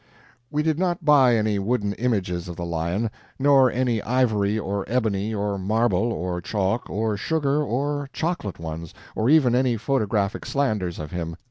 We did not buy any wooden images of the Lion, nor any ivory or ebony or marble or chalk or sugar or chocolate ones, or even any photographic slanders of him.